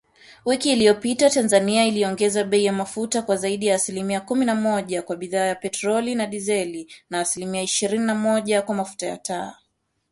Wiki iliyopita, Tanzania iliongeza bei ya mafuta kwa zaidi ya asilimia kumi na moja kwa bidhaa ya petroli na dizeli, na asilimia ishirini na moja kwa mafuta ya taa.